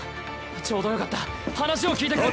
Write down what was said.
ちょうどよかった話を聞いてくれ。